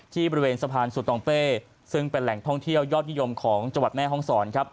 บริเวณสะพานสุตองเป้ซึ่งเป็นแหล่งท่องเที่ยวยอดนิยมของจังหวัดแม่ห้องศรครับ